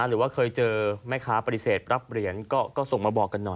หรือว่าเคยเจอแม่ค้าปฏิเสธรับเหรียญก็ส่งมาบอกกันหน่อย